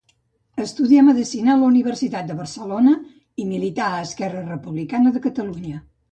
Estudià medicina a la Universitat de Barcelona i milità a Esquerra Republicana de Catalunya.